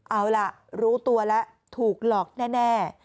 เอาล่ะรู้ตัวแล้วถูกหลอกแน่